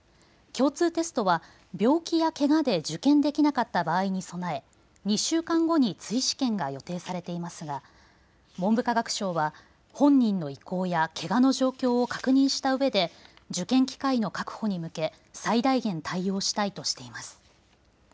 共通テストは病気やけがで受験できなかった場合に備え２週間後に追試験が予定されていますが文部科学省は本人の意向やけがの状況を確認したうえで受験機会の確保に向け、最大限対応したいとしています。